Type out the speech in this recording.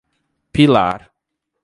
Pilar